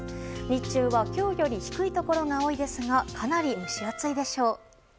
日中は今日より低いところが多いですがかなり蒸し暑いでしょう。